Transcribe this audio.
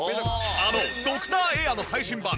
あのドクターエアの最新版